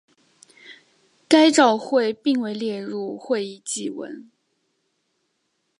该照会并未列入会议记文。